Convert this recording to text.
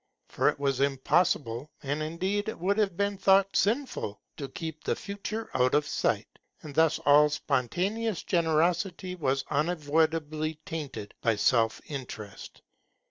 For it was impossible, and indeed it would have been thought sinful, to keep the future out of sight; and thus all spontaneous generosity was unavoidably tainted by self interest.